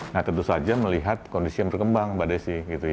nah tentu saja melihat kondisi yang berkembang pada sip